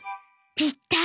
「ぴったり」。